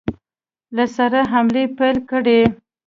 له سره حملې پیل کړې.